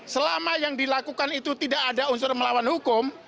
selama yang dilakukan itu tidak ada unsur melawan hukum